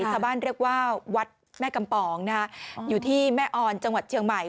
ชาวบ้านเรียกว่าวัดแม่กำปองอยู่ที่แม่ออนจังหวัดเชียงใหม่